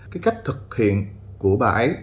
cái cách thực hiện của bà ấy